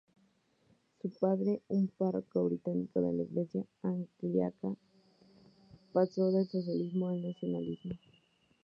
Su padre, un párroco británico de la iglesia anglicana, pasó del socialismo al nacionalsocialismo.